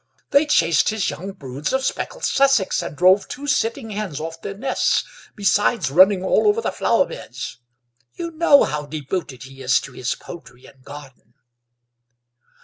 "They chased his young broods of speckled Sussex and drove two sitting hens off their nests, besides running all over the flower beds. You know how devoted he is to his poultry and garden."